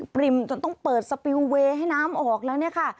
ปริ่มจนต้องเปิดสปิลเวย์ให้น้ำออกแล้วเนี่ยค่ะ